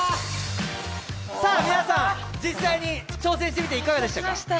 皆さん、実際に挑戦してみていかがでしたか？